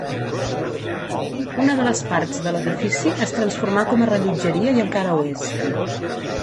Una de les parts de l'edifici es transformà com a rellotgeria i encara ho és.